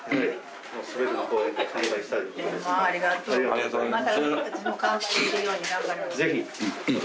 ありがとうございます。